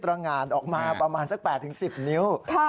รายงานออกมาประมาณสัก๘๑๐นิ้ว